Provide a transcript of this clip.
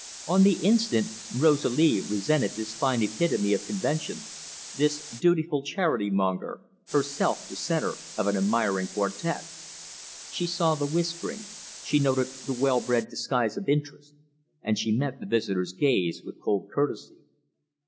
On the instant, Rosalie resented this fine epitome of convention, this dutiful charity monger, herself the centre of an admiring quartet. She saw the whispering, she noted the well bred disguise of interest, and she met the visitor's gaze with cold courtesy.